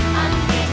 masuk ke pis